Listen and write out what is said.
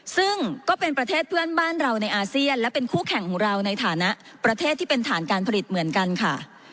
ซึ่งก็เป็นประเทศเพื่อนบ้านเราในอาเซียนและเป็นคู่แข่งของเราในฐานะประเทศที่เป็นฐานการผลิตเหมือนกันค่ะ